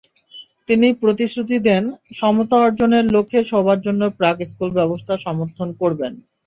তিনি প্রতিশ্রুতি দেন, সমতা অর্জনের লক্ষ্যে সবার জন্য প্রাক্-স্কুলব্যবস্থা সমর্থন করবেন।